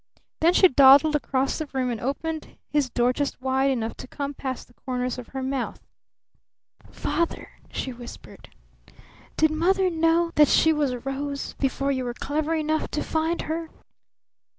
Then she dawdled across the room and opened his door just wide enough to compass the corners of her mouth. "Father," she whispered, "did Mother know that she was a rose before you were clever enough to find her?"